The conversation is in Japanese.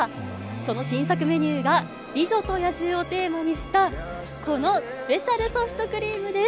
その新作メニューが、美女と野獣をテーマにした、このスペシャルソフトクリームです。